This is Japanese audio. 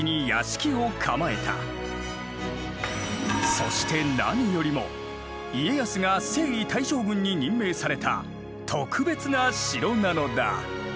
そして何よりも家康が征夷大将軍に任命された特別な城なのだ。